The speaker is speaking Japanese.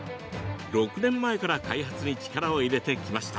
６年前から開発に力を入れてきました。